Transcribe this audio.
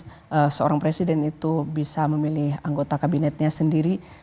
apakah seorang presiden itu bisa memilih anggota kabinetnya sendiri